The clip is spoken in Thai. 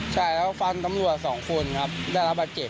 ใช่แล้วฟันตำรวจสองคนครับได้รับบาดเจ็บ